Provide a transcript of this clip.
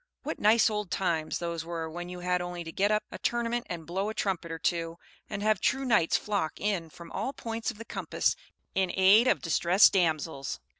What nice old times those were when you had only to get up a tournament and blow a trumpet or two, and have true knights flock in from all points of the compass in aid of distressed damsels!